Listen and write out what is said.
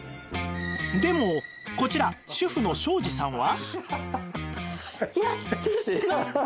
でもこちら主婦の庄司さんは